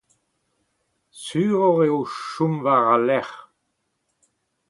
Suroc'h eo chom war al lec'h.